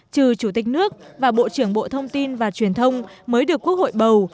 trừ chủ tịch nước và bộ trưởng bộ thông tin và truyền thông mới được quốc hội bầu